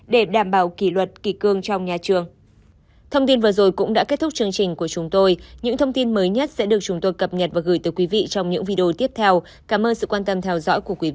để đảm bảo kỷ luật kỳ cương trong nhà trường